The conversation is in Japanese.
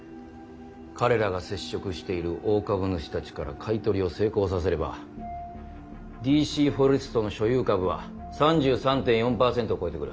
彼らが接触している大株主たちから買い取りを成功させればＤＣフォレストの所有株は３３．４％を超えてくる。